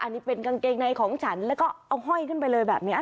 อันนี้เป็นกางเกงในของฉันแล้วก็เอาห้อยขึ้นไปเลยแบบนี้